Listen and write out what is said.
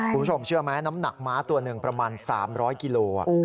คุณผู้ชมเชื่อไหมน้ำหนักม้าตัวหนึ่งประมาณ๓๐๐กิโล